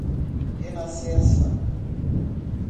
Renascença